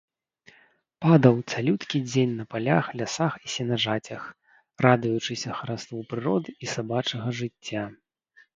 Падаў цалюткі дзень на палях, лясах і сенажацях, радуючыся хараству прыроды і сабачага жыцця.